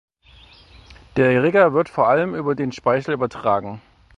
Der Erreger wird vor allem über den Speichel übertragen.